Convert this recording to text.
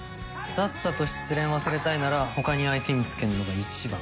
さっさと失恋忘れたいなら他に相手見つけるのが一番。